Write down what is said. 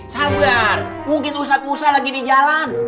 sabar mungkin ustadz musa lagi di jalan